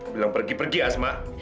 belum pergi pergi asma